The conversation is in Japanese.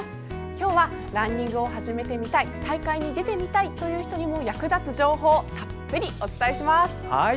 今日はランニングを始めたい大会に出てみたいという人に役立つ情報をたっぷりお伝えします。